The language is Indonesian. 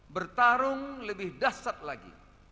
bertarung lebih dasar lagi